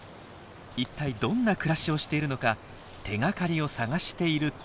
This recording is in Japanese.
一体どんな暮らしをしているのか手がかりを探していると。